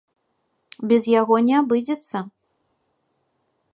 Без яго не абыдзецца.